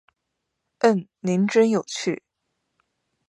嗯，您真有趣